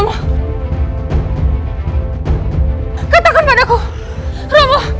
romo katakan padaku romo